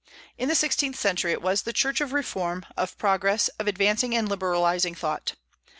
In the sixteenth century it was the Church of reform, of progress, of advancing and liberalizing thought.